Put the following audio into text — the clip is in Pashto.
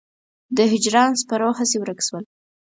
د هجران سپرو هسې ورک شول.